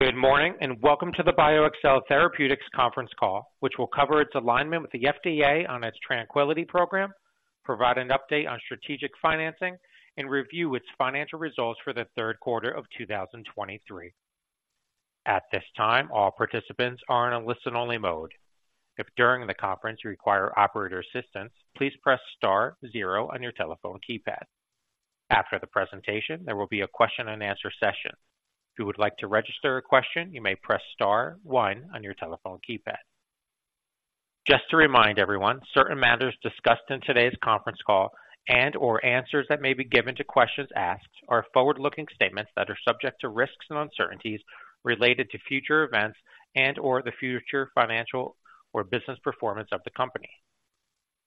Good morning, and welcome to the BioXcel Therapeutics conference call, which will cover its alignment with the FDA on its TRANQUILITY program, provide an update on strategic financing, and review its financial results for the third quarter of 2023. At this time, all participants are in a listen-only mode. If during the conference you require operator assistance, please press star zero on your telephone keypad. After the presentation, there will be a question-and-answer session. If you would like to register a question, you may press star one on your telephone keypad. Just to remind everyone, certain matters discussed in today's conference call and/or answers that may be given to questions asked are forward-looking statements that are subject to risks and uncertainties related to future events and/or the future financial or business performance of the company.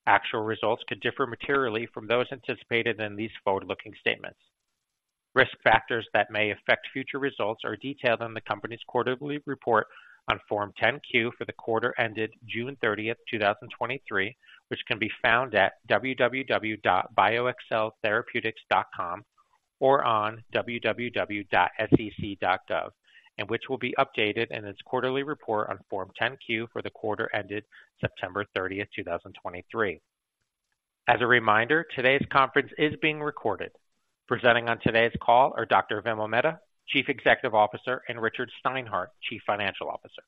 Actual results could differ materially from those anticipated in these forward-looking statements. Risk factors that may affect future results are detailed in the company's quarterly report on Form 10-Q for the quarter ended June 30th, 2023, which can be found at www.bioxceltherapeutics.com or on www.sec.gov, and which will be updated in its quarterly report on Form 10-Q for the quarter ended September 30th, 2023. As a reminder, today's conference is being recorded. Presenting on today's call are Dr. Vimal Mehta, Chief Executive Officer, and Richard Steinhart, Chief Financial Officer.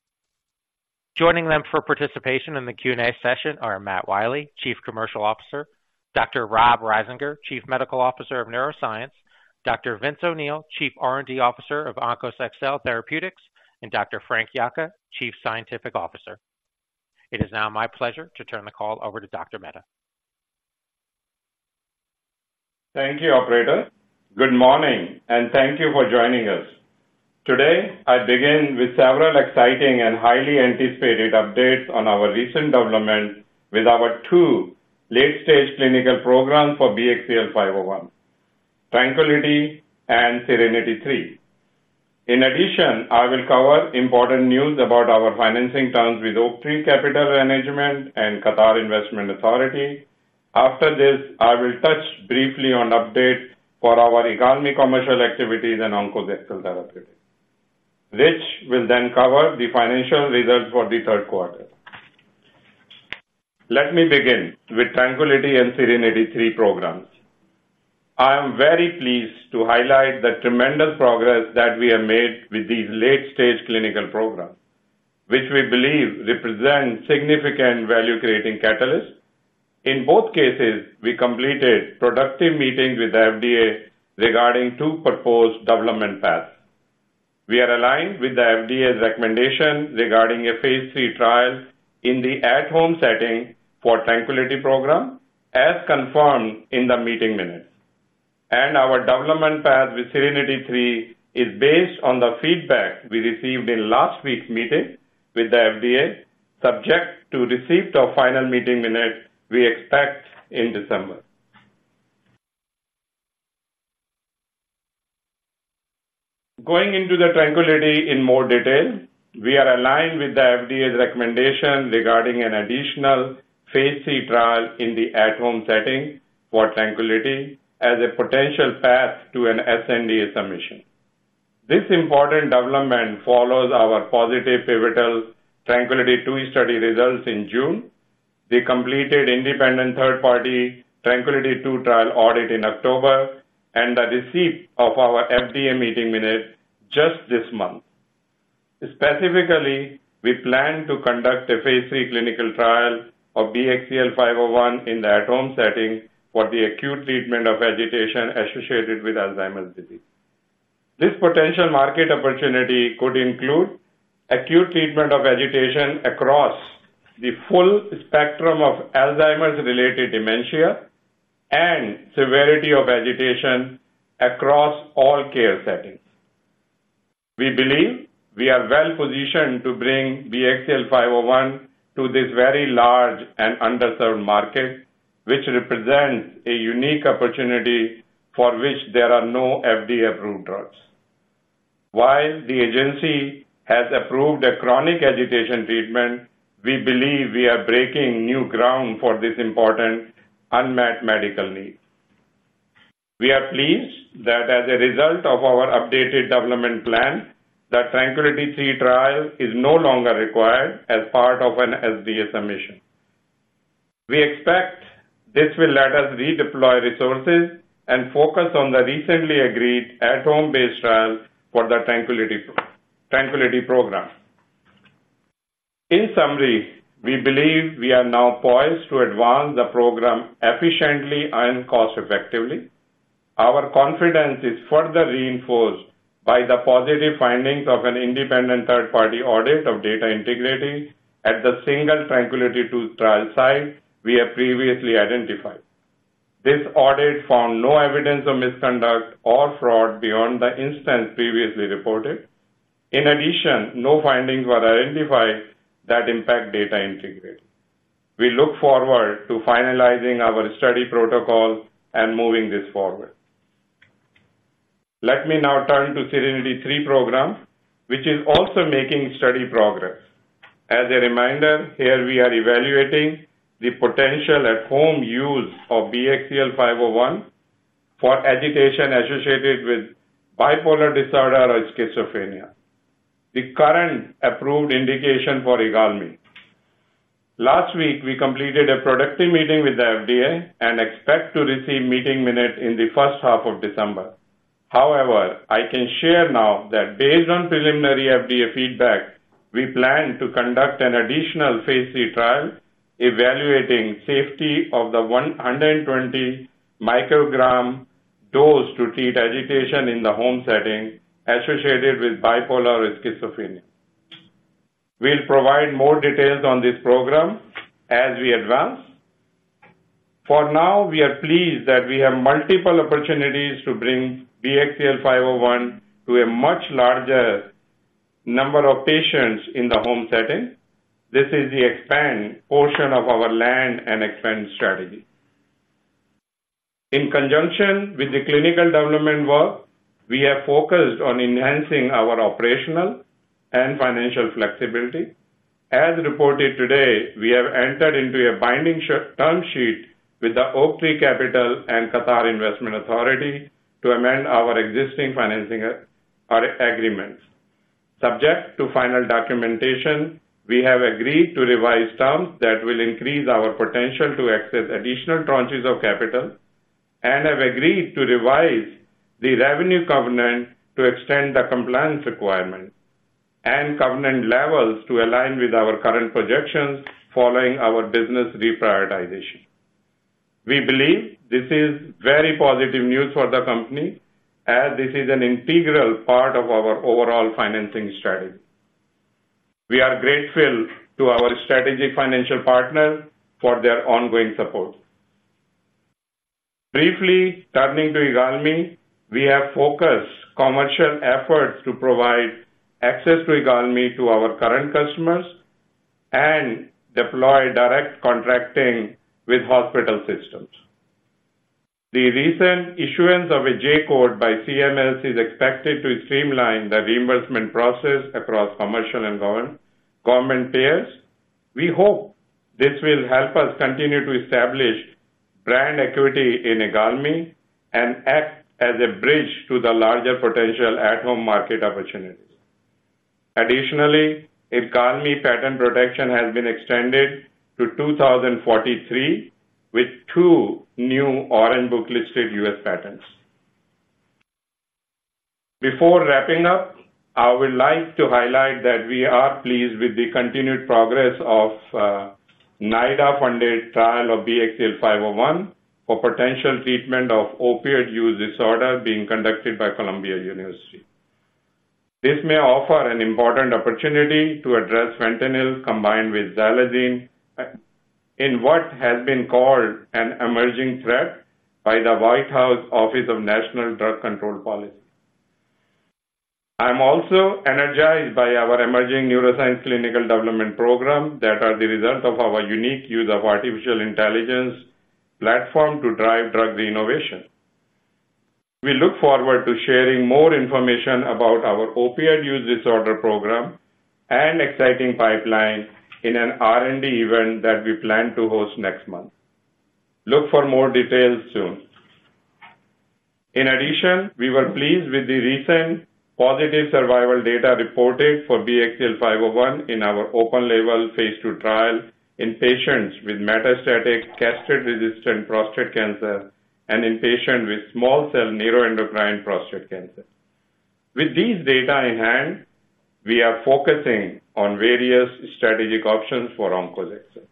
Joining them for participation in the Q&A session are Matt Wiley, Chief Commercial Officer, Dr. Rob Risinger, Chief Medical Officer of Neuroscience, Dr. Vince O'Neill, Chief R&D Officer of OnkosXcel Therapeutics, and Dr. Frank Yocca, Chief Scientific Officer. It is now my pleasure to turn the call over to Dr. Mehta. Thank you, operator. Good morning, and thank you for joining us. Today, I begin with several exciting and highly anticipated updates on our recent development with our two late-stage clinical programs for BXCL501, TRANQUILITY and SERENITY III. In addition, I will cover important news about our financing terms with Oaktree Capital Management and Qatar Investment Authority. After this, I will touch briefly on updates for our IGALMI commercial activities and OnkosXcel Therapeutics. Rich will then cover the financial results for the third quarter. Let me begin with TRANQUILITY and SERENITY III programs. I am very pleased to highlight the tremendous progress that we have made with these late-stage clinical programs, which we believe represent significant value-creating catalysts. In both cases, we completed productive meetings with the FDA regarding two proposed development paths. We are aligned with the FDA's recommendation regarding a phase III trial in the at-home setting for TRANQUILITY program, as confirmed in the meeting minutes. Our development path with SERENITY III is based on the feedback we received in last week's meeting with the FDA, subject to receipt of final meeting minutes we expect in December. Going into the TRANQUILITY in more detail, we are aligned with the FDA's recommendation regarding an additional phase III trial in the at-home setting for TRANQUILITY as a potential path to an sNDA submission. This important development follows our positive pivotal TRANQUILITY II study results in June, the completed independent third-party TRANQUILITY II trial audit in October, and the receipt of our FDA meeting minutes just this month. Specifically, we plan to conduct a phase III clinical trial of BXCL501 in the at-home setting for the acute treatment of agitation associated with Alzheimer's disease. This potential market opportunity could include acute treatment of agitation across the full spectrum of Alzheimer's-related dementia and severity of agitation across all care settings. We believe we are well positioned to bring BXCL501 to this very large and underserved market, which represents a unique opportunity for which there are no FDA-approved drugs. While the agency has approved a chronic agitation treatment, we believe we are breaking new ground for this important unmet medical need. We are pleased that as a result of our updated development plan, the TRANQUILITY III trial is no longer required as part of an sNDA submission. We expect this will let us redeploy resources and focus on the recently agreed at-home-based trial for the TRANQUILITY, TRANQUILITY program. In summary, we believe we are now poised to advance the program efficiently and cost-effectively. Our confidence is further reinforced by the positive findings of an independent third-party audit of data integrity at the single TRANQUILITY II trial site we have previously identified. This audit found no evidence of misconduct or fraud beyond the instance previously reported. In addition, no findings were identified that impact data integrity. We look forward to finalizing our study protocol and moving this forward. Let me now turn to SERENITY III program, which is also making steady progress. As a reminder, here we are evaluating the potential at-home use of BXCL501 for agitation associated with bipolar disorder or schizophrenia, the current approved indication for IGALMI. Last week, we completed a productive meeting with the FDA and expect to receive meeting minutes in the first half of December. However, I can share now that based on preliminary FDA feedback, we plan to conduct an additional phase III trial evaluating safety of the 120 mcg dose to treat agitation in the home setting associated with bipolar or schizophrenia. We'll provide more details on this program as we advance. For now, we are pleased that we have multiple opportunities to bring BXCL501 to a much larger number of patients in the home setting. This is the expand portion of our land and expand strategy. In conjunction with the clinical development work, we have focused on enhancing our operational and financial flexibility. As reported today, we have entered into a binding term sheet with Oaktree Capital and Qatar Investment Authority to amend our existing financing agreements. Subject to final documentation, we have agreed to revise terms that will increase our potential to access additional tranches of capital and have agreed to revise the revenue covenant to extend the compliance requirement and covenant levels to align with our current projections following our business reprioritization. We believe this is very positive news for the company as this is an integral part of our overall financing strategy. We are grateful to our strategic financial partners for their ongoing support. Briefly, turning to IGALMI, we have focused commercial efforts to provide access to IGALMI to our current customers and deploy direct contracting with hospital systems. The recent issuance of a J-code by CMS is expected to streamline the reimbursement process across commercial and government payers. We hope this will help us continue to establish brand equity in IGALMI and act as a bridge to the larger potential at-home market opportunities. Additionally, IGALMI patent protection has been extended to 2043, with two new Orange Book-listed U.S. patents. Before wrapping up, I would like to highlight that we are pleased with the continued progress of NIDA-funded trial of BXCL501 for potential treatment of opioid use disorder being conducted by Columbia University. This may offer an important opportunity to address fentanyl combined with xylazine in what has been called an emerging threat by the White House Office of National Drug Control Policy. I'm also energized by our emerging neuroscience clinical development program that are the result of our unique use of artificial intelligence platform to drive drug innovation. We look forward to sharing more information about our opioid use disorder program and exciting pipeline in an R&D event that we plan to host next month. Look for more details soon. In addition, we were pleased with the recent positive survival data reported for BXCL501 in our open label phase II trial in patients with metastatic, castrate-resistant prostate cancer and in patients with small cell neuroendocrine prostate cancer. With these data in hand, we are focusing on various strategic options for OnkosXcel.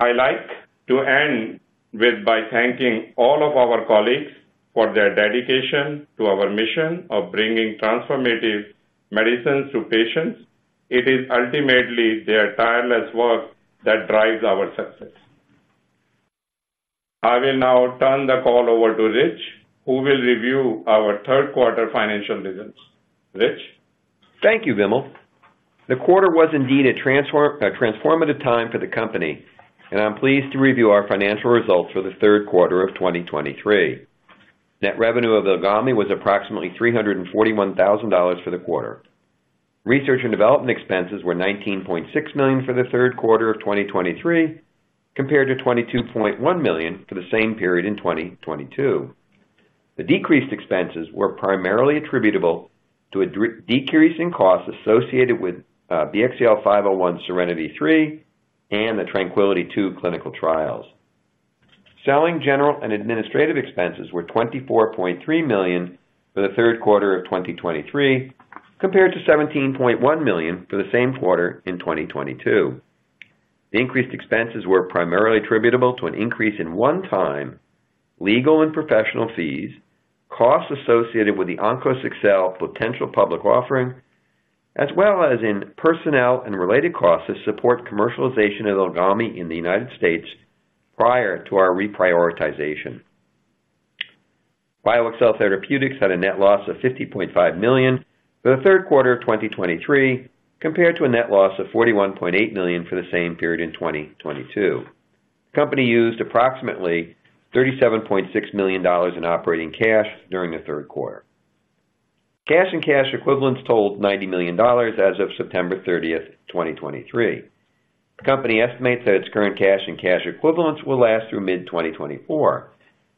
I'd like to end with by thanking all of our colleagues for their dedication to our mission of bringing transformative medicines to patients. It is ultimately their tireless work that drives our success. I will now turn the call over to Rich, who will review our third quarter financial results. Rich? Thank you, Vimal. The quarter was indeed a transformative time for the company, and I'm pleased to review our financial results for the third quarter of 2023. Net revenue of IGALMI was approximately $341,000 for the quarter. Research and development expenses were $19.6 million for the third quarter of 2023, compared to $22.1 million for the same period in 2022. The decreased expenses were primarily attributable to a decrease in costs associated with BXCL501 SERENITY III and the TRANQUILITY II clinical trials. Selling general and administrative expenses were $24.3 million for the third quarter of 2023, compared to $17.1 million for the same quarter in 2022. The increased expenses were primarily attributable to an increase in one-time legal and professional fees, costs associated with the OnkosXcel potential public offering, as well as in personnel and related costs to support commercialization of IGALMI in the United States prior to our reprioritization. BioXcel Therapeutics had a net loss of $50.5 million for the third quarter of 2023, compared to a net loss of $41.8 million for the same period in 2022. The company used approximately $37.6 million in operating cash during the third quarter. Cash and cash equivalents totaled $90 million as of September 30th, 2023. The company estimates that its current cash and cash equivalents will last through mid-2024.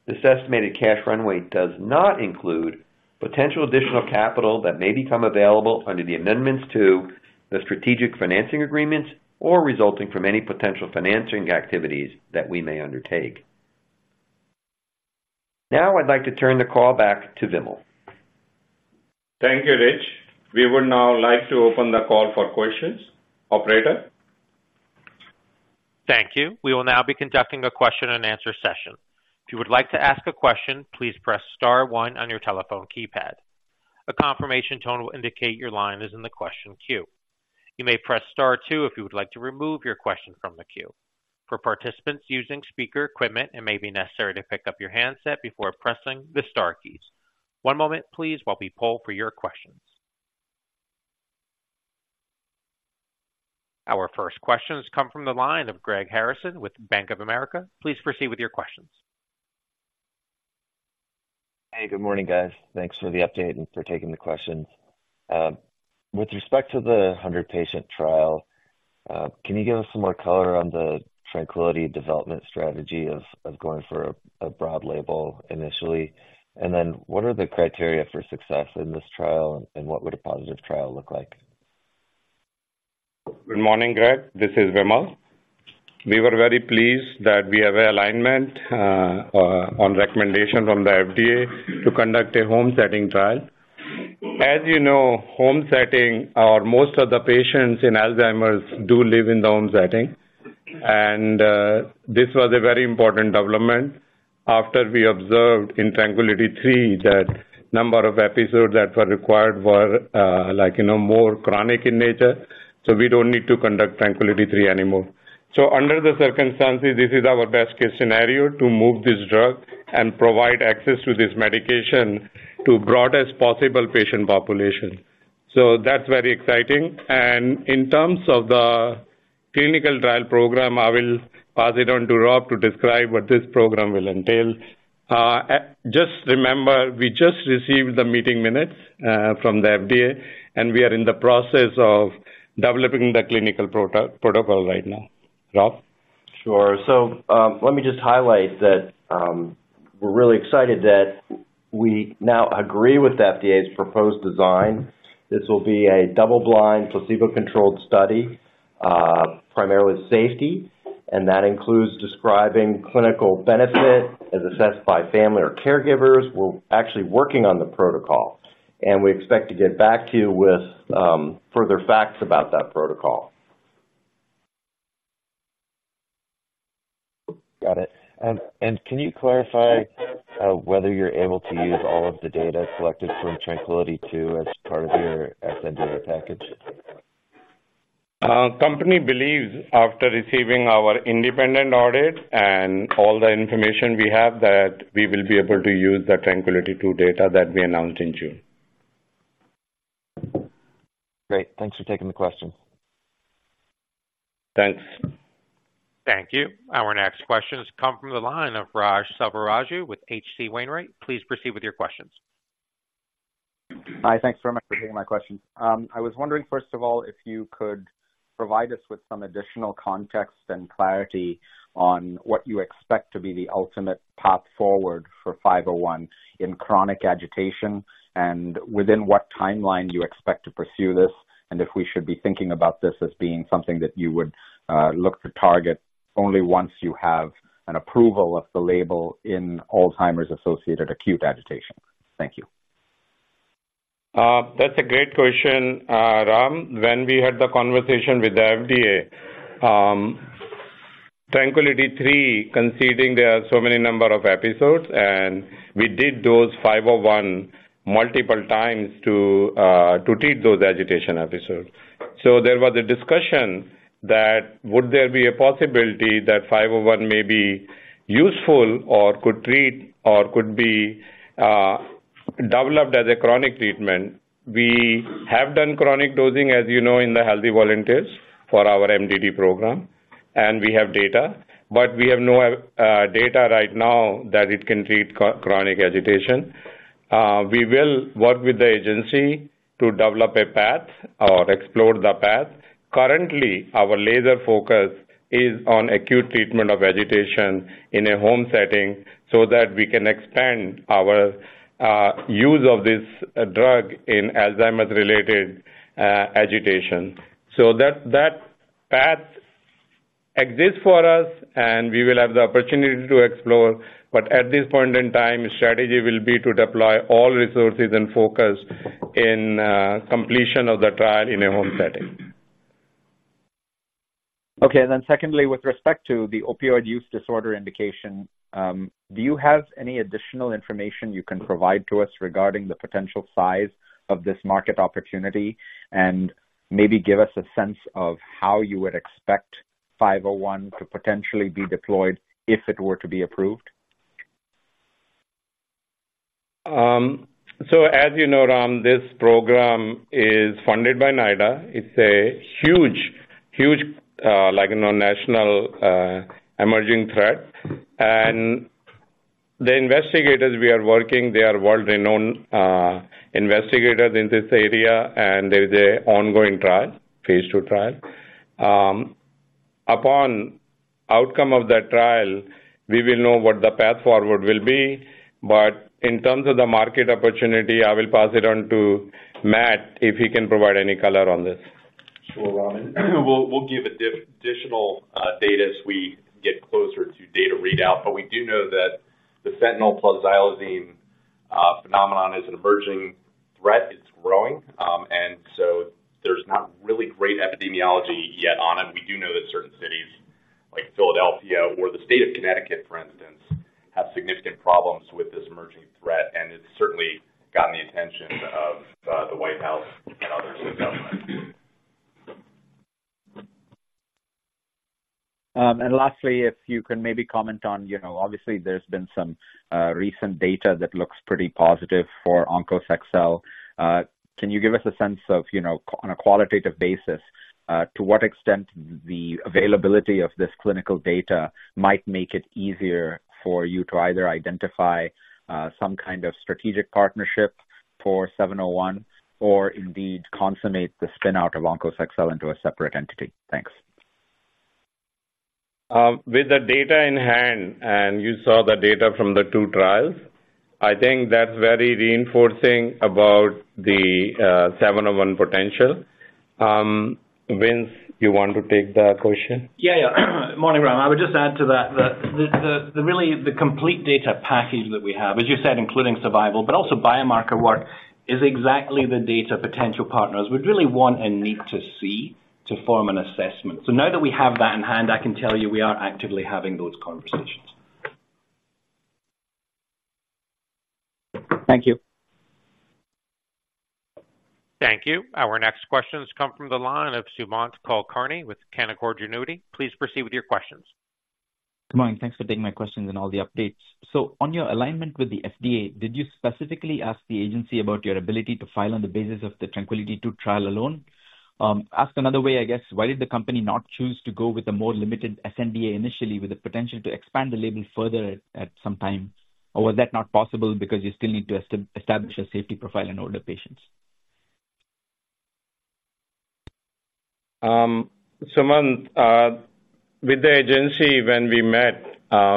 This estimated cash runway does not include potential additional capital that may become available under the amendments to the strategic financing agreements or resulting from any potential financing activities that we may undertake. Now I'd like to turn the call back to Vimal. Thank you, Rich. We would now like to open the call for questions. Operator? Thank you. We will now be conducting a question and answer session. If you would like to ask a question, please press star one on your telephone keypad. A confirmation tone will indicate your line is in the question queue. You may press star two if you would like to remove your question from the queue. For participants using speaker equipment, it may be necessary to pick up your handset before pressing the star keys. One moment please, while we poll for your questions. Our first questions come from the line of Greg Harrison with Bank of America. Please proceed with your questions. Hey, good morning, guys. Thanks for the update and for taking the questions. With respect to the 100-patient trial, can you give us some more color on the TRANQUILITY development strategy of going for a broad label initially? And then what are the criteria for success in this trial, and what would a positive trial look like? Good morning, Greg. This is Vimal. We were very pleased that we have an alignment on recommendation from the FDA to conduct a home setting trial. As you know, home setting or most of the patients in Alzheimer's do live in the home setting, and this was a very important development. After we observed in TRANQUILITY III that number of episodes that were required were like, you know, more chronic in nature. So we don't need to conduct TRANQUILITY III anymore. So under the circumstances, this is our best-case scenario to move this drug and provide access to this medication to broadest possible patient population. So that's very exciting. And in terms of the clinical trial program, I will pass it on to Rob to describe what this program will entail. Just remember, we just received the meeting minutes from the FDA, and we are in the process of developing the clinical protocol right now. Rob? Sure. So, let me just highlight that, we're really excited that we now agree with the FDA's proposed design. This will be a double-blind, placebo-controlled study, primarily safety, and that includes describing clinical benefit as assessed by family or caregivers. We're actually working on the protocol, and we expect to get back to you with, further facts about that protocol. Got it. And can you clarify whether you're able to use all of the data collected from TRANQUILITY II as part of your accepted package? Company believes, after receiving our independent audit and all the information we have, that we will be able to use the TRANQUILITY II data that we announced in June. Great. Thanks for taking the question. Thanks. Thank you. Our next questions come from the line of Ram Selvaraju with H.C. Wainwright. Please proceed with your questions. Hi, thanks very much for taking my question. I was wondering, first of all, if you could provide us with some additional context and clarity on what you expect to be the ultimate path forward for 501 in chronic agitation, and within what timeline do you expect to pursue this, and if we should be thinking about this as being something that you would look to target only once you have an approval of the label in Alzheimer's-associated acute agitation. Thank you. That's a great question, Ram. When we had the conversation with the FDA, TRANQUILITY III, conceding there are so many number of episodes, and we did those 501 multiple times to, to treat those agitation episodes. So there was a discussion that would there be a possibility that 501 may be useful or could treat or could be, developed as a chronic treatment? We have done chronic dosing, as you know, in the healthy volunteers for our MDD program, and we have data, but we have no, data right now that it can treat chronic agitation. We will work with the agency to develop a path or explore the path. Currently, our laser focus is on acute treatment of agitation in a home setting so that we can expand our use of this drug in Alzheimer's-related agitation. So that path exists for us, and we will have the opportunity to explore, but at this point in time, the strategy will be to deploy all resources and focus in completion of the trial in a home setting. Okay. Then secondly, with respect to the opioid use disorder indication, do you have any additional information you can provide to us regarding the potential size of this market opportunity? And maybe give us a sense of how you would expect 501 to potentially be deployed if it were to be approved. So as you know, Ram, this program is funded by NIDA. It's a huge, huge, like, you know, national, emerging threat. The investigators we are working, they are world-renowned, investigators in this area, and there is an ongoing trial, phase II trial. Upon outcome of that trial, we will know what the path forward will be. But in terms of the market opportunity, I will pass it on to Matt, if he can provide any color on this. Sure, Ram. We'll, we'll give additional data as we get closer to data readout, but we do know that the fentanyl plus xylazine phenomenon is an emerging threat. It's growing. And so there's not really great epidemiology yet on it. We do know that certain cities like Philadelphia or the state of Connecticut, for instance, have significant problems with this emerging threat, and it's certainly gotten the attention of the White House and others in government. And lastly, if you can maybe comment on, you know, obviously there's been some recent data that looks pretty positive for OnkosXcel. Can you give us a sense of, you know, on a qualitative basis, to what extent the availability of this clinical data might make it easier for you to either identify some kind of strategic partnership for 701, or indeed consummate the spin out of OnkosXcel into a separate entity? Thanks. With the data in hand, and you saw the data from the two trials, I think that's very reinforcing about the 701 potential. Vince, you want to take that question? Yeah, yeah. Morning, Ram. I would just add to that, that really the complete data package that we have, as you said, including survival, but also biomarker work, is exactly the data potential partners would really want and need to see to form an assessment. So now that we have that in hand, I can tell you we are actively having those conversations. Thank you. Thank you. Our next questions come from the line of Sumant Kulkarni with Canaccord Genuity. Please proceed with your questions. Good morning. Thanks for taking my questions and all the updates. So on your alignment with the FDA, did you specifically ask the agency about your ability to file on the basis of the TRANQUILITY II trial alone? Asked another way, I guess, why did the company not choose to go with a more limited sNDA initially, with the potential to expand the label further at, at some time? Or was that not possible because you still need to establish a safety profile in older patients? Sumant, with the agency, when we met,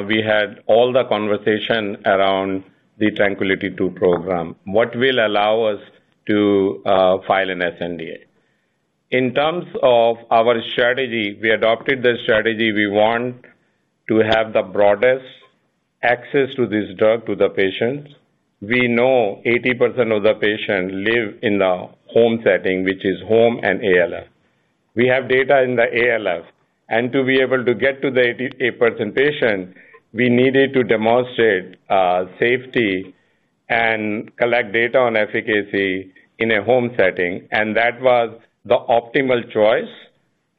we had all the conversation around the TRANQUILITY II program, what will allow us to file an sNDA. In terms of our strategy, we adopted the strategy, we want to have the broadest access to this drug to the patients. We know 80% of the patient live in a home setting, which is home and ALF. We have data in the ALF, and to be able to get to the 80% patient, we needed to demonstrate safety and collect data on efficacy in a home setting, and that was the optimal choice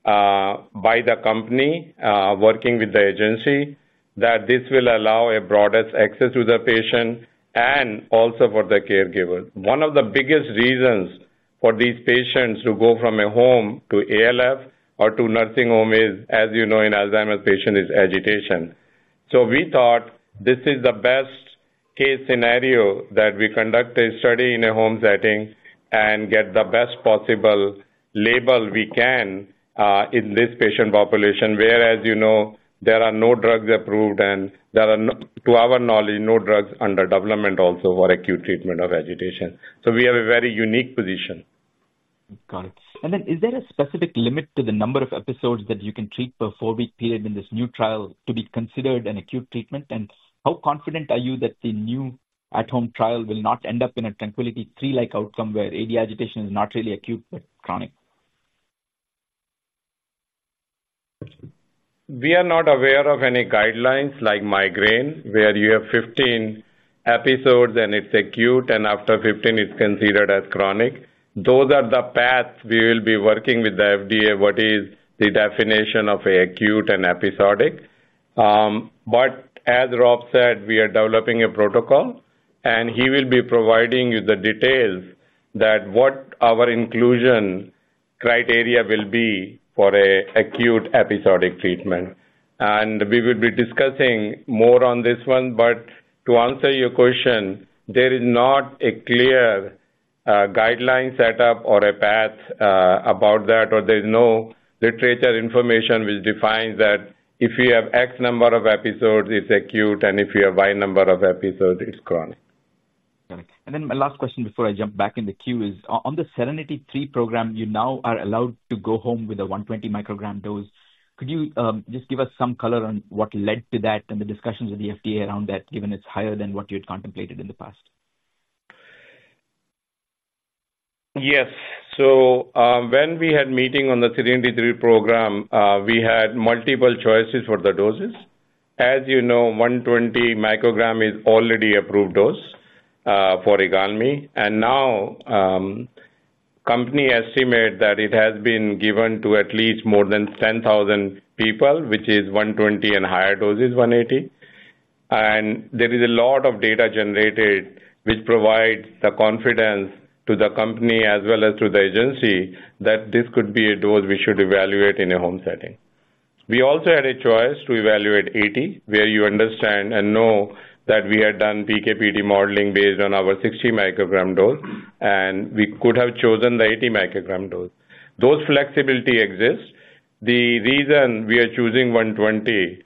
by the company, working with the agency, that this will allow a broadest access to the patient and also for the caregiver. One of the biggest reasons for these patients to go from a home to ALF or to nursing home is, as you know, in Alzheimer's patient, is agitation. So we thought this is the best-case scenario, that we conduct a study in a home setting and get the best possible label we can, in this patient population, whereas, you know, there are no drugs approved and there are no, to our knowledge, no drugs under development also for acute treatment of agitation. So we have a very unique position. Got it. And then is there a specific limit to the number of episodes that you can treat per four-week period in this new trial to be considered an acute treatment? And how confident are you that the new at-home trial will not end up in a TRANQUILITY III-like outcome, where AD agitation is not really acute, but chronic? We are not aware of any guidelines like migraine, where you have 15 episodes and it's acute, and after 15 it's considered as chronic. Those are the paths we will be working with the FDA. What is the definition of acute and episodic. But as Rob said, we are developing a protocol, and he will be providing you the details that what our inclusion criteria will be for a acute episodic treatment. We will be discussing more on this one, but to answer your question, there is not a clear guideline set up or a path about that, or there's no literature information which defines that if you have X number of episodes, it's acute, and if you have Y number of episodes, it's chronic. Got it. And then my last question before I jump back in the queue is, on the SERENITY III program, you now are allowed to go home with a 120 mcg dose. Could you just give us some color on what led to that and the discussions with the FDA around that, given it's higher than what you had contemplated in the past? Yes. So, when we had meeting on the SERENITY III program, we had multiple choices for the doses. As you know, 120 mcg is already approved dose, for IGALMI. And now, company estimate that it has been given to at least more than 10,000 people, which is 120 and higher doses, 180. And there is a lot of data generated which provides the confidence to the company as well as to the agency, that this could be a dose we should evaluate in a home setting.... We also had a choice to evaluate 80, where you understand and know that we had done PKPD modeling based on our 60 mcg dose, and we could have chosen the 80 mcg dose. Those flexibility exists. The reason we are choosing 120,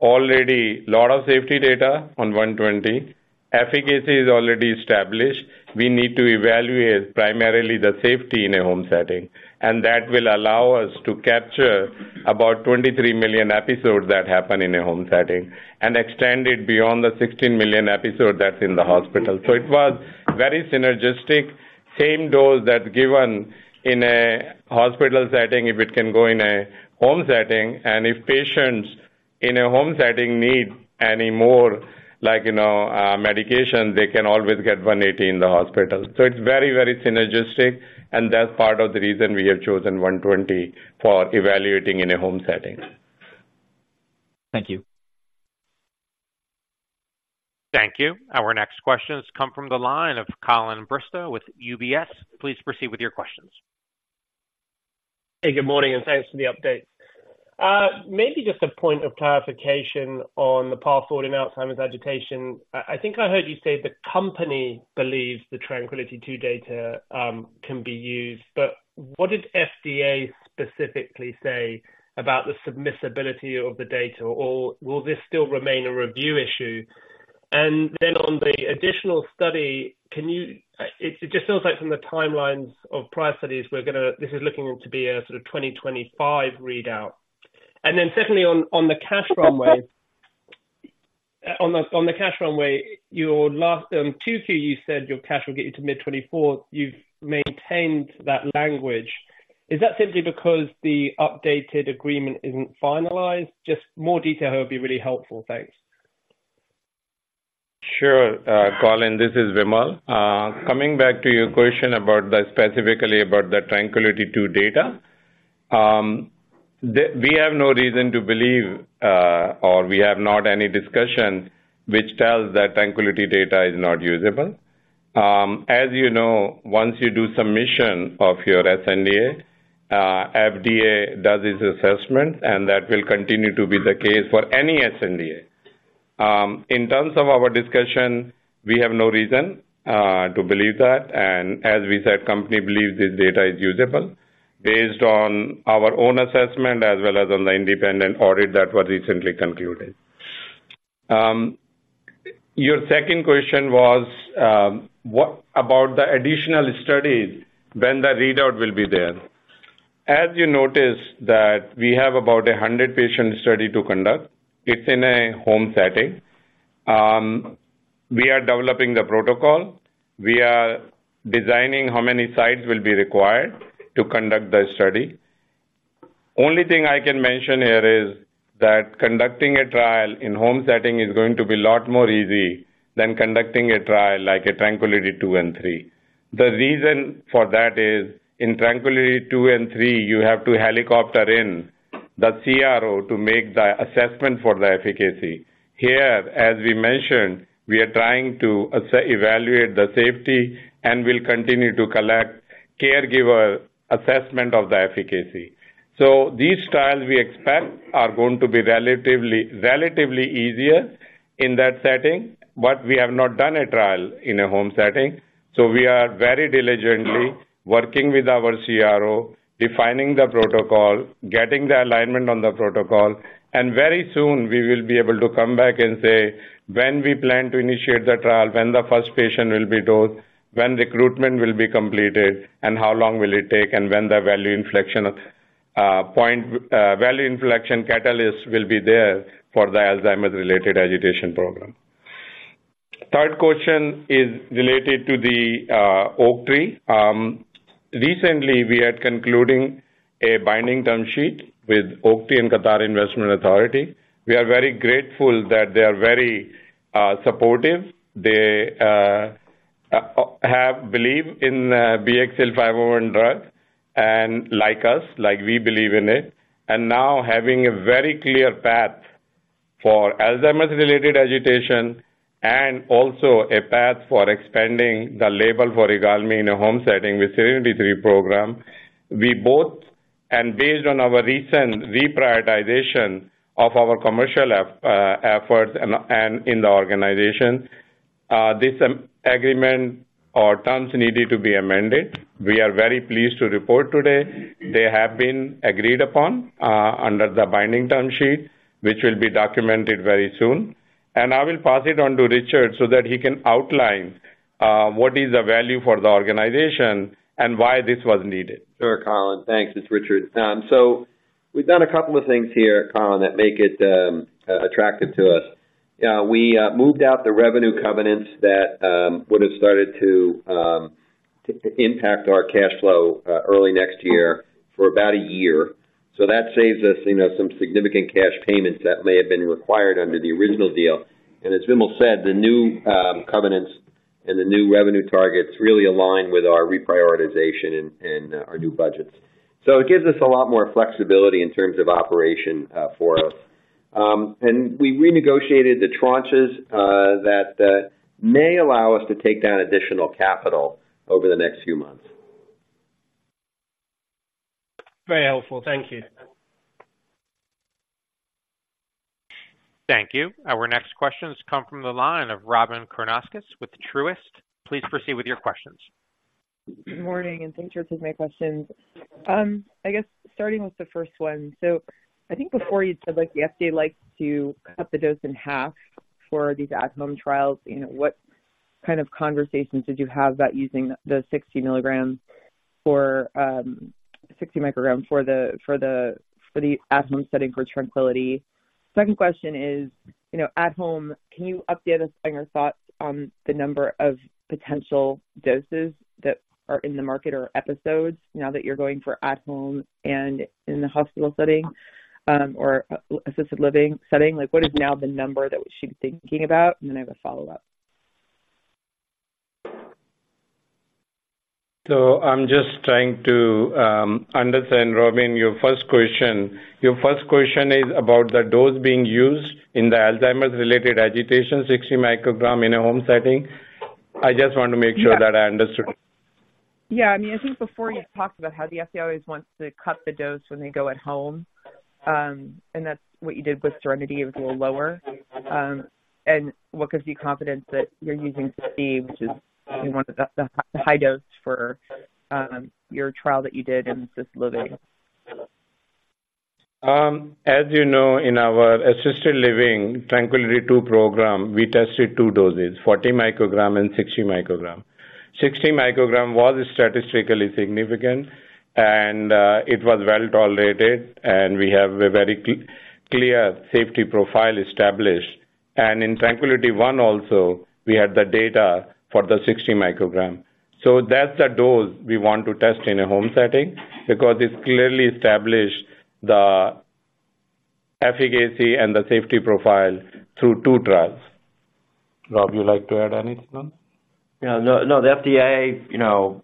already a lot of safety data on 120. Efficacy is already established. We need to evaluate primarily the safety in a home setting, and that will allow us to capture about 23 million episodes that happen in a home setting and extend it beyond the 16 million episode that's in the hospital. So it was very synergistic. Same dose that's given in a hospital setting, if it can go in a home setting, and if patients in a home setting need any more, like, you know, medication, they can always get 180 in the hospital. So it's very, very synergistic, and that's part of the reason we have chosen 120 for evaluating in a home setting. Thank you. Thank you. Our next question has come from the line of Colin Bristow with UBS. Please proceed with your questions. Hey, good morning, and thanks for the update. Maybe just a point of clarification on the path forward in Alzheimer's agitation. I think I heard you say the company believes the TRANQUILITY II data can be used, but what did FDA specifically say about the submissibility of the data, or will this still remain a review issue? And then on the additional study, can you... It just feels like from the timelines of prior studies, we're gonna—this is looking to be a sort of 2025 readout. And then secondly, on the cash runway, your last 2Q, you said your cash will get you to mid-2024. You've maintained that language. Is that simply because the updated agreement isn't finalized? Just more detail here would be really helpful. Thanks. Sure, Colin, this is Vimal. Coming back to your question about the, specifically about the TRANQUILITY II data. We have no reason to believe, or we have not any discussion which tells that TRANQUILITY data is not usable. As you know, once you do submission of your sNDA, FDA does its assessment, and that will continue to be the case for any sNDA. In terms of our discussion, we have no reason to believe that, and as we said, company believes this data is usable based on our own assessment as well as on the independent audit that was recently concluded. Your second question was, what about the additional studies when the readout will be there? As you notice that we have about a 100-patient study to conduct, it's in a home setting. We are developing the protocol. We are designing how many sites will be required to conduct the study. Only thing I can mention here is that conducting a trial in home setting is going to be a lot more easy than conducting a trial like a TRANQUILITY II and III. The reason for that is in TRANQUILITY II and III, you have to helicopter in the CRO to make the assessment for the efficacy. Here, as we mentioned, we are trying to evaluate the safety and will continue to collect caregiver assessment of the efficacy. So these trials, we expect, are going to be relatively, relatively easier in that setting, but we have not done a trial in a home setting, so we are very diligently working with our CRO, defining the protocol, getting the alignment on the protocol, and very soon we will be able to come back and say when we plan to initiate the trial, when the first patient will be dosed, when recruitment will be completed, and how long will it take, and when the value inflection point value inflection catalyst will be there for the Alzheimer's-related agitation program. Third question is related to the Oaktree. Recently, we are concluding a binding term sheet with Oaktree and Qatar Investment Authority. We are very grateful that they are very supportive. They have belief in BXCL501 drug and like us, like we believe in it, and now having a very clear path for Alzheimer's related agitation and also a path for expanding the label for IGALMI in a home setting with SERENITY III program. We both, and based on our recent reprioritization of our commercial efforts and in the organization, this agreement or terms needed to be amended. We are very pleased to report today. They have been agreed upon under the binding term sheet, which will be documented very soon. And I will pass it on to Richard so that he can outline what is the value for the organization and why this was needed. Sure, Colin. Thanks. It's Richard. So we've done a couple of things here, Colin, that make it attractive to us. We moved out the revenue covenants that would have started to impact our cash flow early next year for about a year. So that saves us, you know, some significant cash payments that may have been required under the original deal. And as Vimal said, the new covenants and the new revenue targets really align with our reprioritization and our new budgets. So it gives us a lot more flexibility in terms of operation for us. And we renegotiated the tranches that may allow us to take down additional capital over the next few months. Very helpful. Thank you. Thank you. Our next questions come from the line of Robyn Karnauskas with Truist. Please proceed with your questions. Good morning, and thanks for taking my questions. I guess starting with the first one. So I think before you said, like, the FDA likes to cut the dose in half for these at-home trials. You know, what kind of conversations did you have about using the 60 mg for 60 mcg for the at-home setting for TRANQUILITY? Second question is, you know, at home, can you update us on your thoughts on the number of potential doses that are in the market or episodes now that you're going for at home and in the hospital setting or assisted living setting? Like, what is now the number that we should be thinking about? And then I have a follow-up. I'm just trying to understand, Robyn, your first question. Your first question is about the dose being used in the Alzheimer's-related agitation, 60 mcg in a home setting. I just want to make sure that I understood. Yeah. I mean, I think before you've talked about how the FDA always wants to cut the dose when they go at home, and that's what you did with SERENITY. It was a little lower. And what gives you confidence that you're using 60, which is one of the, the high dose for, your trial that you did in assisted living? As you know, in our assisted living TRANQUILITY II program, we tested two doses, 40 mcg and 60 mcg. 60 mcg was statistically significant, and it was well tolerated, and we have a very clear safety profile established. And in TRANQUILITY I also, we had the data for the 60 mcg. So that's the dose we want to test in a home setting because it's clearly established the efficacy and the safety profile through two trials. Rob, would you like to add anything on? Yeah. No, no, the FDA, you know,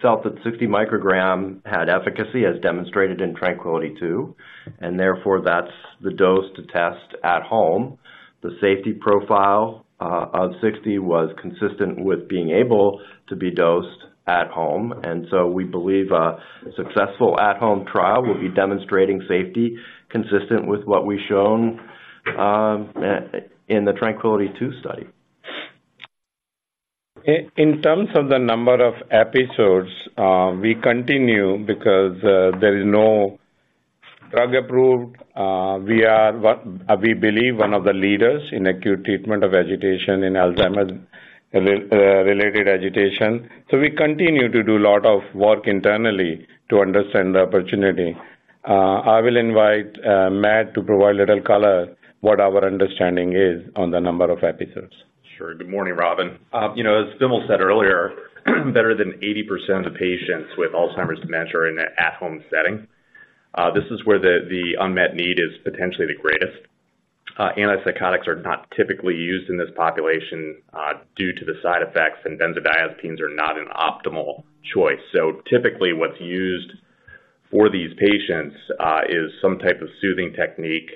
felt that 60 mcg had efficacy, as demonstrated in TRANQUILITY II, and therefore, that's the dose to test at home. The safety profile of 60 was consistent with being able to be dosed at home, and so we believe a successful at-home trial will be demonstrating safety consistent with what we've shown in the TRANQUILITY II study. In terms of the number of episodes, we continue because there is no drug approved. We believe one of the leaders in acute treatment of agitation in Alzheimer's related agitation. So we continue to do a lot of work internally to understand the opportunity. I will invite Matt to provide a little color, what our understanding is on the number of episodes. Sure. Good morning, Robyn. You know, as Vimal said earlier, better than 80% of the patients with Alzheimer's dementia are in an at-home setting. This is where the unmet need is potentially the greatest. Antipsychotics are not typically used in this population due to the side effects, and benzodiazepines are not an optimal choice. So typically, what's used for these patients is some type of soothing technique,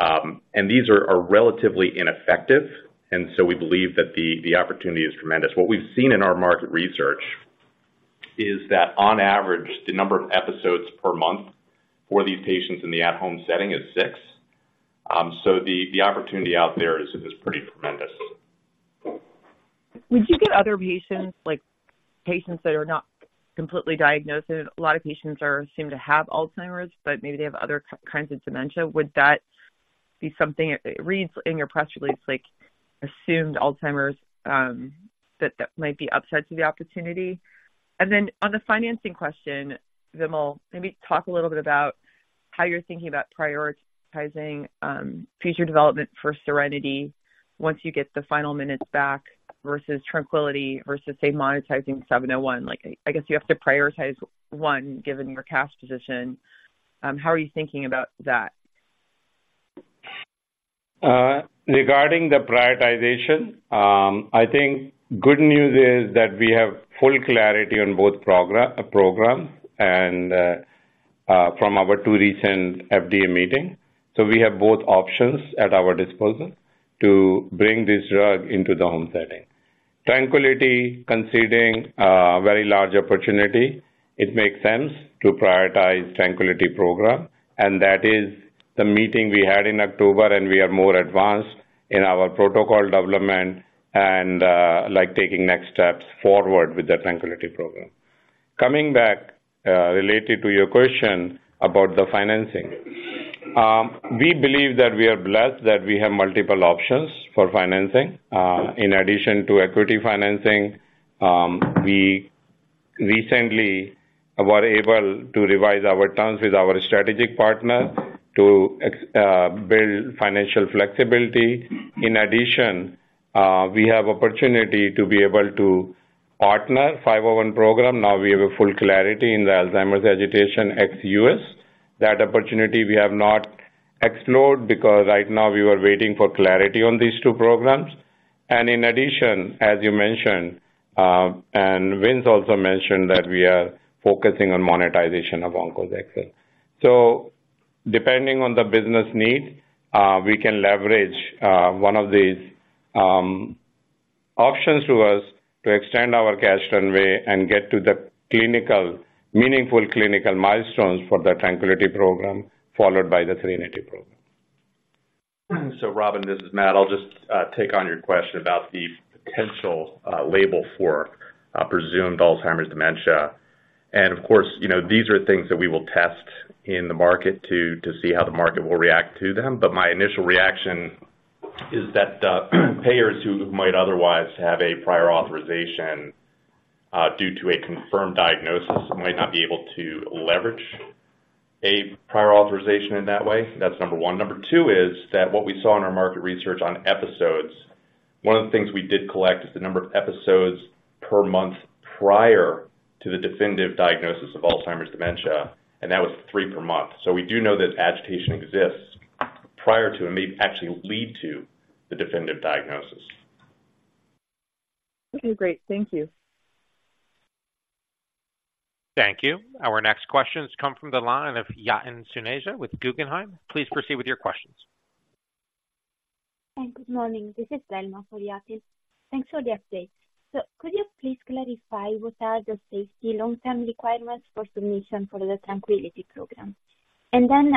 and these are relatively ineffective, and so we believe that the opportunity is tremendous. What we've seen in our market research is that on average, the number of episodes per month for these patients in the at-home setting is six. So the opportunity out there is pretty tremendous. Would you get other patients, like, patients that are not completely diagnosed? A lot of patients are assumed to have Alzheimer's, but maybe they have other kinds of dementia. Would that be something... It reads in your press release like assumed Alzheimer's, that might be upside to the opportunity? And then on the financing question, Vimal, maybe talk a little bit about how you're thinking about prioritizing future development for SERENITY once you get the final minutes back, versus TRANQUILITY, versus, say, monetizing 701. Like, I guess you have to prioritize one, given your cash position. How are you thinking about that? Regarding the prioritization, I think good news is that we have full clarity on both programs and from our two recent FDA meeting. So we have both options at our disposal to bring this drug into the home setting. TRANQUILITY, considering a very large opportunity, it makes sense to prioritize TRANQUILITY program, and that is the meeting we had in October, and we are more advanced in our protocol development and, like, taking next steps forward with the TRANQUILITY program. Coming back, related to your question about the financing. We believe that we are blessed that we have multiple options for financing. In addition to equity financing, we recently were able to revise our terms with our strategic partner to build financial flexibility. In addition, we have opportunity to be able to partner BXCL501 program. Now we have a full clarity in the Alzheimer's agitation ex-U.S. That opportunity we have not explored because right now we were waiting for clarity on these two programs. And in addition, as you mentioned, and Vince also mentioned that we are focusing on monetization of OnkosXcel. Depending on the business need, we can leverage one of these options to us to extend our cash runway and get to the clinically meaningful clinical milestones for the TRANQUILITY program, followed by the SERENITY program. So Robyn, this is Matt. I'll just take on your question about the potential label for presumed Alzheimer's dementia. And of course, you know, these are things that we will test in the market to, to see how the market will react to them. But my initial reaction is that the payers who might otherwise have a prior authorization due to a confirmed diagnosis might not be able to leverage a prior authorization in that way. That's number one. Number two is that what we saw in our market research on episodes, one of the things we did collect is the number of episodes per month prior to the definitive diagnosis of Alzheimer's dementia, and that was three per month. So we do know that agitation exists prior to, and may actually lead to the definitive diagnosis. Okay, great. Thank you. Thank you. Our next question has come from the line of Yatin Suneja with Guggenheim. Please proceed with your questions. Good morning. This is Delma for Yatin. Thanks for the update. Could you please clarify what are the safety long-term requirements for submission for the TRANQUILITY program? Then,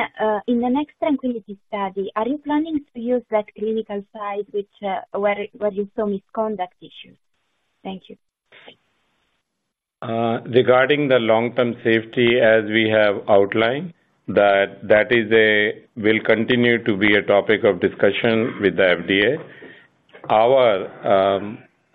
in the next TRANQUILITY study, are you planning to use that clinical site which, where you saw misconduct issues? Thank you. Regarding the long-term safety, as we have outlined, that will continue to be a topic of discussion with the FDA. Our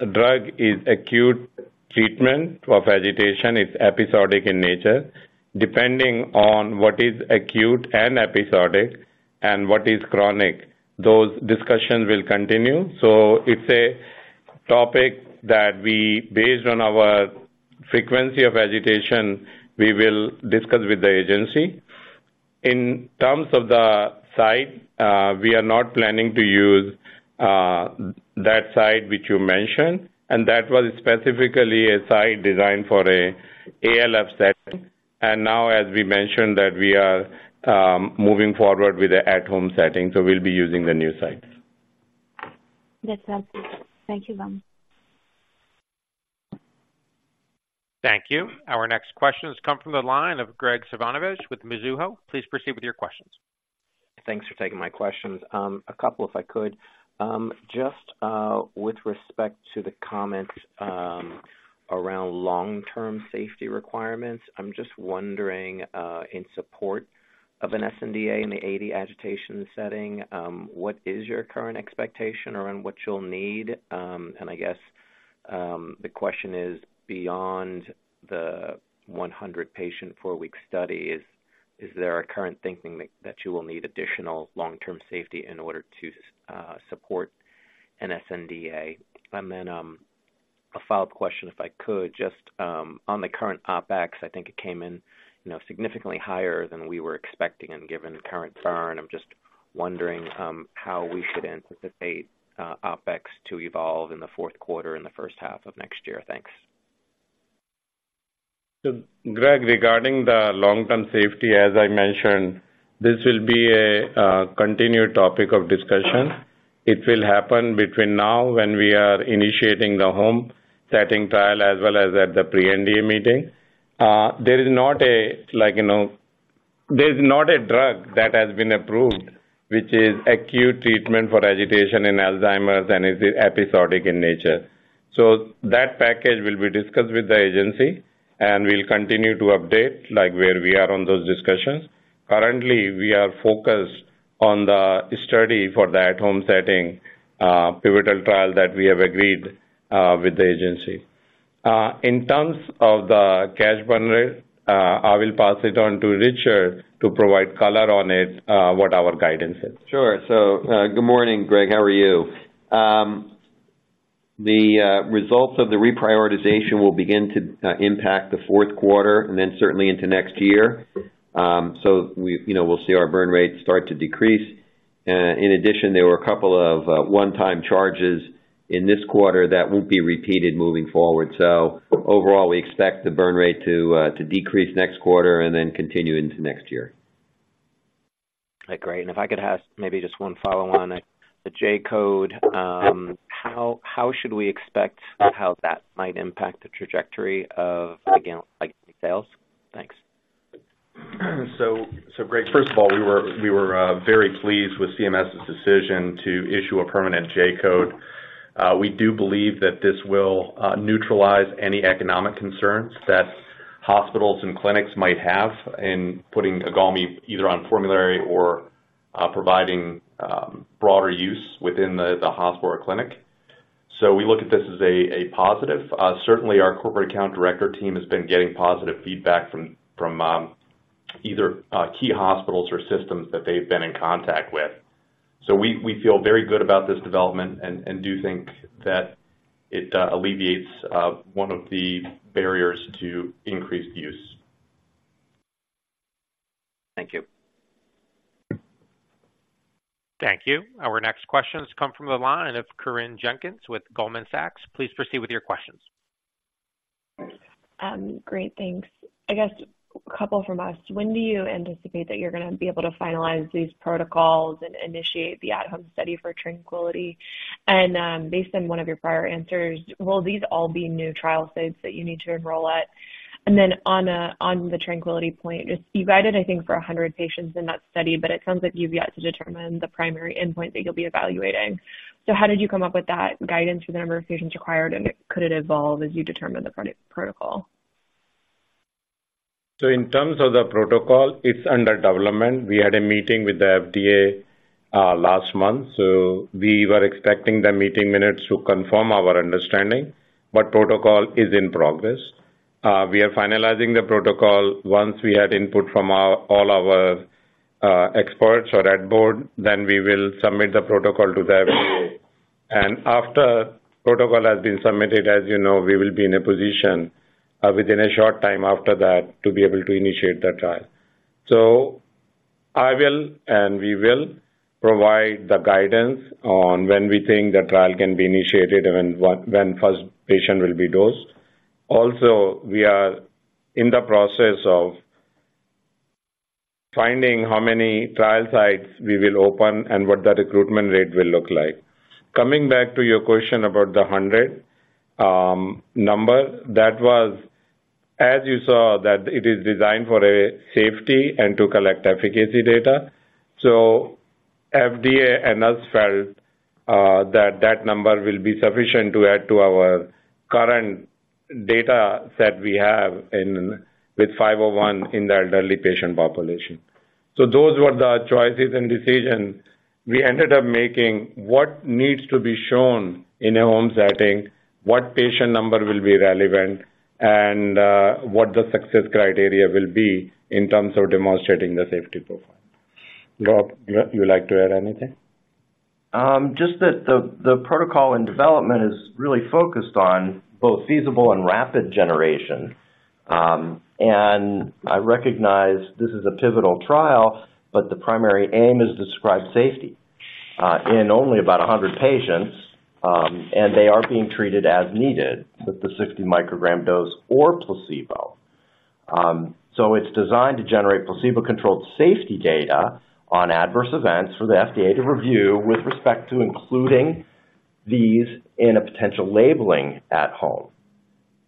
drug is acute treatment for agitation. It's episodic in nature. Depending on what is acute and episodic and what is chronic, those discussions will continue. So it's a topic that we, based on our frequency of agitation, we will discuss with the agency. In terms of the site, we are not planning to use that site which you mentioned, and that was specifically a site designed for an ALF setting. And now, as we mentioned, that we are moving forward with an at-home setting, so we'll be using the new sites. That's helpful. Thank you, Vimal. Thank you. Our next question has come from the line of Graig Suvannavejh with Mizuho. Please proceed with your questions. Thanks for taking my questions. A couple, if I could. Just, with respect to the comments, around long-term safety requirements, I'm just wondering, in support of an sNDA in the AD agitation setting, what is your current expectation around what you'll need? And I guess, the question is, beyond the 100-patient four-week study, is there a current thinking that you will need additional long-term safety in order to support an sNDA? And then, a follow-up question, if I could. Just, on the current OpEx, I think it came in, you know, significantly higher than we were expecting. And given the current burn, I'm just wondering, how we should anticipate OpEx to evolve in the fourth quarter and the first half of next year. Thanks. So Graig, regarding the long-term safety, as I mentioned, this will be a continued topic of discussion. It will happen between now, when we are initiating the home setting trial, as well as at the pre-NDA meeting. There is not a, like, you know, there's not a drug that has been approved, which is acute treatment for agitation in Alzheimer's and is episodic in nature. So that package will be discussed with the agency, and we'll continue to update, like, where we are on those discussions. Currently, we are focused on the study for the at-home setting, pivotal trial that we have agreed, with the agency. In terms of the cash burn rate, I will pass it on to Richard to provide color on it, what our guidance is. Sure. So, good morning, Graig. How are you? The results of the reprioritization will begin to impact the fourth quarter and then certainly into next year. So we, you know, we'll see our burn rate start to decrease. In addition, there were a couple of one-time charges in this quarter that won't be repeated moving forward. So overall, we expect the burn rate to decrease next quarter and then continue into next year. Great. If I could ask maybe just one follow-on. The J-code, how should we expect how that might impact the trajectory of, again, like, sales? Thanks. So, Graig, first of all, we were very pleased with CMS's decision to issue a permanent J-code. We do believe that this will neutralize any economic concerns that hospitals and clinics might have in putting IGALMI either on formulary or providing broader use within the hospital or clinic. So we look at this as a positive. Certainly our corporate account director team has been getting positive feedback from either key hospitals or systems that they've been in contact with. So we feel very good about this development and do think that it alleviates one of the barriers to increased use. Thank you. Thank you. Our next question has come from the line of Corinne Jenkins with Goldman Sachs. Please proceed with your questions. Great, thanks. I guess a couple from us. When do you anticipate that you're going to be able to finalize these protocols and initiate the at-home study for TRANQUILITY? And, based on one of your prior answers, will these all be new trial sites that you need to enroll at? And then on the TRANQUILITY point, you guided, I think, for 100 patients in that study, but it sounds like you've yet to determine the primary endpoint that you'll be evaluating. So how did you come up with that guidance for the number of patients required, and could it evolve as you determine the protocol? So in terms of the protocol, it's under development. We had a meeting with the FDA last month, so we were expecting the meeting minutes to confirm our understanding, but protocol is in progress. We are finalizing the protocol. Once we have input from our all our experts or ad board, then we will submit the protocol to the FDA. After protocol has been submitted, as you know, we will be in a position within a short time after that to be able to initiate the trial. So I will, and we will provide the guidance on when we think the trial can be initiated and when, what-- when first patient will be dosed. Also, we are in the process of finding how many trial sites we will open and what the recruitment rate will look like. Coming back to your question about the 100, number, that was, as you saw, that it is designed for a safety and to collect efficacy data. So FDA and us felt, that that number will be sufficient to add to our current data set we have in, with 501 in the elderly patient population. So those were the choices and decisions we ended up making, what needs to be shown in a home setting, what patient number will be relevant, and, what the success criteria will be in terms of demonstrating the safety profile. Rob, you would like to add anything? Just that the protocol and development is really focused on both feasible and rapid generation. I recognize this is a pivotal trial, but the primary aim is to describe safety in only about 100 patients, and they are being treated as needed with the 60 mcg dose or placebo. It's designed to generate placebo-controlled safety data on adverse events for the FDA to review with respect to including these in a potential labeling at home.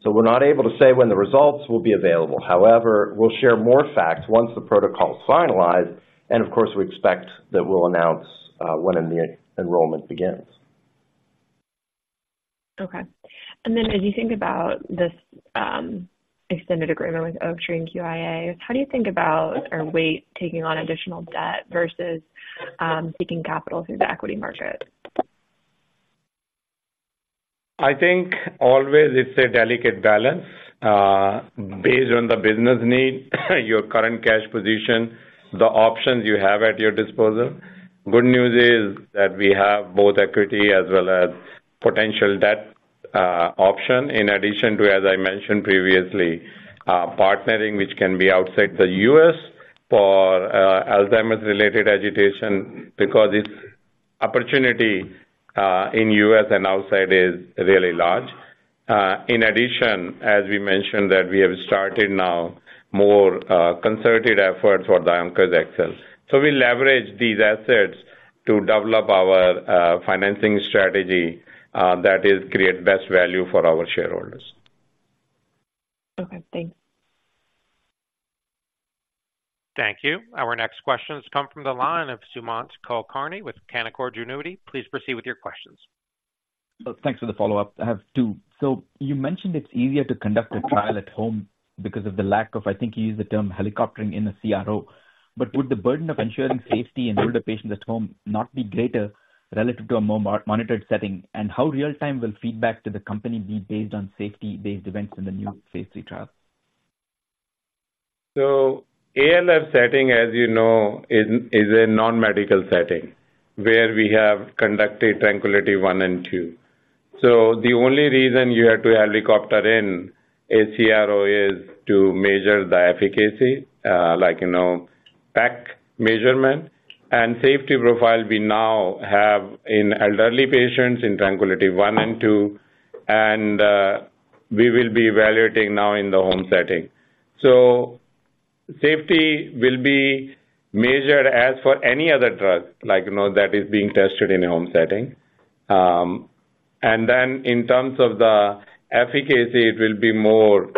We're not able to say when the results will be available. However, we'll share more facts once the protocol is finalized, and of course, we expect that we'll announce when immediate enrollment begins. Okay. And then as you think about this, extended agreement with Oaktree and QIA, how do you think about or weigh taking on additional debt versus, seeking capital through the equity market? I think always it's a delicate balance, based on the business need, your current cash position, the options you have at your disposal. Good news is that we have both equity as well as potential debt option, in addition to, as I mentioned previously, partnering, which can be outside the U.S. for Alzheimer's-related agitation, because this opportunity in the U.S. and outside is really large. In addition, as we mentioned that we have started now more concerted efforts for the EvolverAI. So we leverage these assets to develop our financing strategy, that is, create best value for our shareholders. Okay, thanks. Thank you. Our next question has come from the line of Sumant Kulkarni with Canaccord Genuity. Please proceed with your questions. Thanks for the follow-up. I have two. So you mentioned it's easier to conduct a trial at home because of the lack of, I think you used the term helicoptering in a CRO. But would the burden of ensuring safety in older patients at home not be greater relative to a more monitored setting? And how real-time will feedback to the company be based on safety-based events in the new safety trial? So ALF setting, as you know, is a non-medical setting, where we have conducted TRANQUILITY I and II. So the only reason you have to helicopter in a CRO is to measure the efficacy, like, you know, PEC measurement and safety profile we now have in elderly patients in TRANQUILITY I and II, and we will be evaluating now in the home setting. So safety will be measured as for any other drug, like, you know, that is being tested in a home setting. And then in terms of the efficacy, it will be more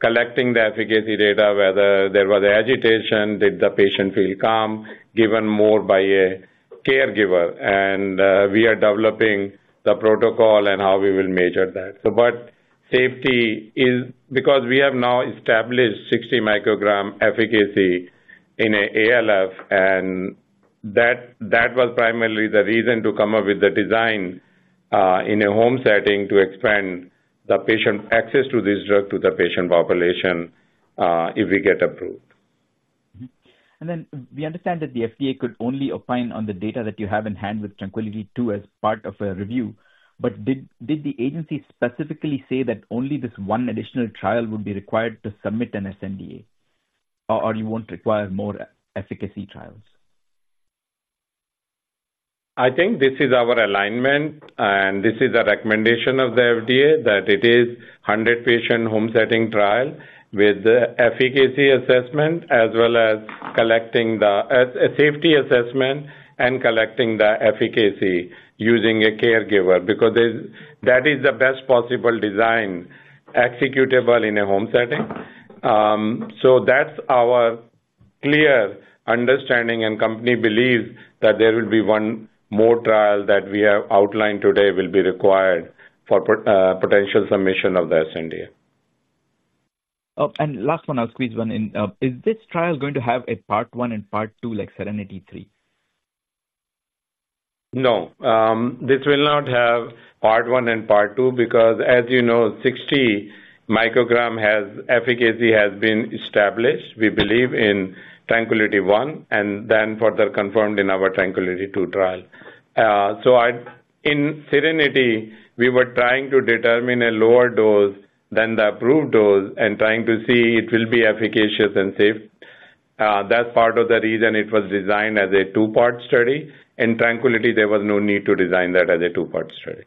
collecting the efficacy data, whether there was agitation, did the patient feel calm, given more by a caregiver, and we are developing the protocol and how we will measure that. So but safety is... Because we have now established 60 mcg efficacy in an ALF, and that, that was primarily the reason to come up with the design in a home setting, to expand the patient access to this drug to the patient population, if we get approved. Mm-hmm. And then we understand that the FDA could only opine on the data that you have in hand with TRANQUILITY II as part of a review, but did the agency specifically say that only this one additional trial would be required to submit an sNDA, or you won't require more efficacy trials? I think this is our alignment, and this is a recommendation of the FDA, that it is 100-patient home setting trial with the efficacy assessment, as well as collecting the a safety assessment and collecting the efficacy using a caregiver, because there's that is the best possible design executable in a home setting. So that's our clear understanding, and company believes that there will be one more trial that we have outlined today will be required for potential submission of the sNDA. Oh, and last one. I'll squeeze one in. Is this trial going to have a part 1 and part 2, like SERENITY III? No. This will not have part 1 and part 2, because as you know, 60 mcg has, efficacy has been established, we believe, in TRANQUILITY I, and then further confirmed in our TRANQUILITY II trial. So, in SERENITY, we were trying to determine a lower dose than the approved dose and trying to see it will be efficacious and safe. That's part of the reason it was designed as a 2-part study. In TRANQUILITY, there was no need to design that as a 2-part study.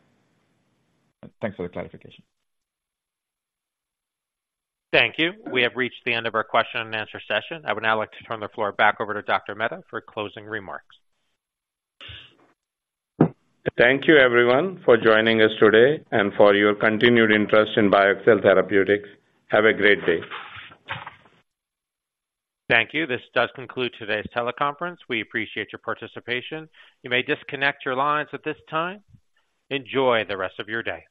Thanks for the clarification. Thank you. We have reached the end of our question and answer session. I would now like to turn the floor back over to Dr. Mehta for closing remarks. Thank you, everyone, for joining us today and for your continued interest in BioXcel Therapeutics. Have a great day. Thank you. This does conclude today's teleconference. We appreciate your participation. You may disconnect your lines at this time. Enjoy the rest of your day.